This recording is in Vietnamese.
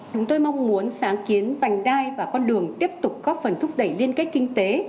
chúng tôi mong muốn sáng kiến vành đai và con đường tiếp tục góp phần thúc đẩy liên kết kinh tế